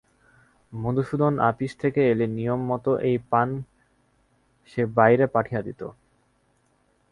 মধুসূদন আপিস থেকে এলে নিয়মমত এই পান সে বাইরে পাঠিয়ে দিত।